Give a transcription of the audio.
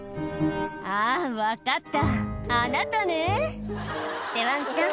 「あぁ分かったあなたね」ってワンちゃん